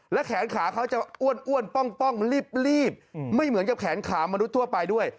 และแขนขาเขาจะอ้วนป้องรีบไม่เหมือนกับแขนขามนุษย์ทั่วไปด้วย